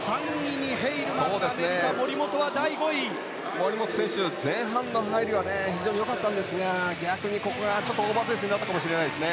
森本選手、前半の入りは非常に良かったんですが逆にここがオーバーペースになったかもしれないです。